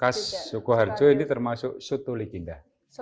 khas sukoharjo ini termasuk soto leginda